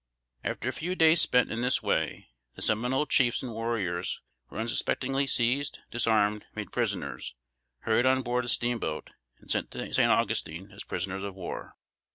After a few days spent in this way, the Seminole chiefs and warriors were unsuspectingly seized, disarmed, made prisoners, hurried on board a steamboat, and sent to San Augustine as prisoners of war.